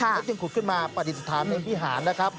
และจึงขุดขึ้นมาปฏิสถานในวิหารนะครับ